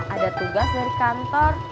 ada tugas dari kantor